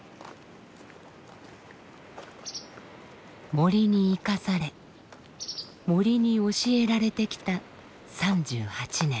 森に生かされ森に教えられてきた３８年。